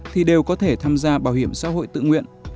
thì đều có thể tham gia bảo hiểm xã hội tự nguyện